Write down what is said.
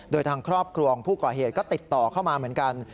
โดยทางครอบครัวของผู้ก่อเหตุก็ติดต่อเข้ามาเหมือนกัน